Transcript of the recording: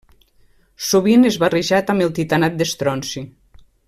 Sovint és barrejat amb el titanat d'estronci.